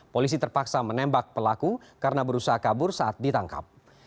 polisi terpaksa menembak pelaku karena berusaha kabur saat ditangkap